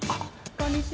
こんにちは。